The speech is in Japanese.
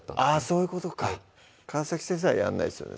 そういうことか川先生はやんないですよね